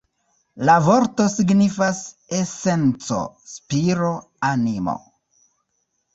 La vorto signifas "esenco, spiro, animo".